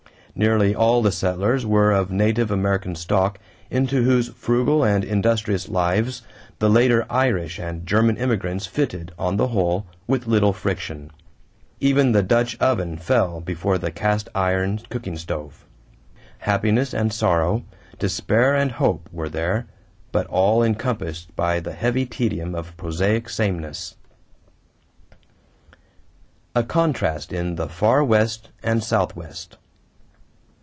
Nearly all the settlers were of native American stock into whose frugal and industrious lives the later Irish and German immigrants fitted, on the whole, with little friction. Even the Dutch oven fell before the cast iron cooking stove. Happiness and sorrow, despair and hope were there, but all encompassed by the heavy tedium of prosaic sameness. [Illustration: SANTA BARBARA MISSION] =A Contrast in the Far West and Southwest.